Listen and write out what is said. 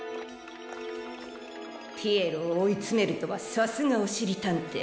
ピエロをおいつめるとはさすがおしりたんてい。